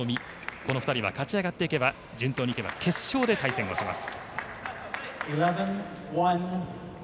この２人は勝ち上がっていけば順当にいけば決勝で対戦をします。